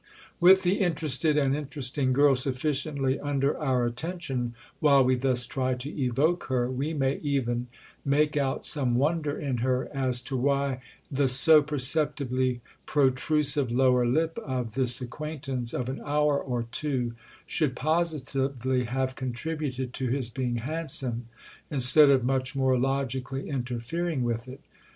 With the interested and interesting girl sufficiently under our attention while we thus try to evoke her, we may even make out some wonder in her as to why the so perceptibly protrusive lower lip of this acquaintance of an hour or two should positively have contributed to his being handsome instead of much more logically interfering with it.